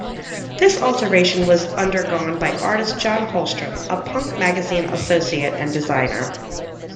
This alteration was undergone by artist John Holmstrom, a "Punk" magazine associate and designer.